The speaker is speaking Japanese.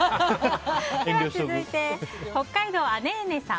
続いて、北海道の方。